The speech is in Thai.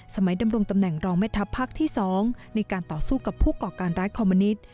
ดำรงตำแหน่งรองแม่ทัพภาคที่๒ในการต่อสู้กับผู้ก่อการร้ายคอมมินิต